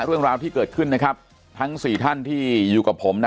เรื่องราวที่เกิดขึ้นนะครับทั้ง๔ท่านที่อยู่กับผมนะ